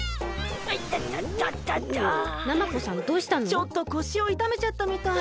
ちょっとこしをいためちゃったみたい。